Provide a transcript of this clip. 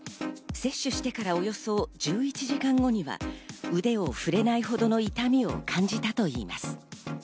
接種してから、およそ１１時間後には腕を振れないほどの痛みを感じたといいます。